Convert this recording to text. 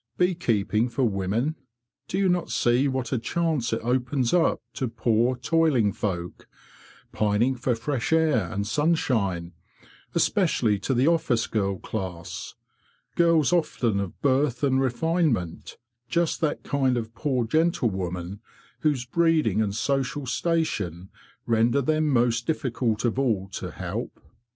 Bee keeping for women! do you not see what a chance it opens up to poor toiling folk, pining for fresh air and sun shine, especially to the office girl class, girls often of birth and refinement—just that kind of poor gentlewomen whose breeding and social station render them most difficult of all to help?